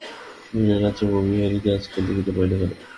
কহিলেন, আচ্ছা বউ, বিহারীকে আজকাল দেখিতে পাই না কেন।